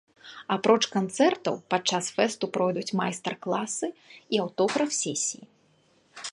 Апроч канцэртаў падчас фэсту пройдуць майстар-класы і аўтограф-сесіі.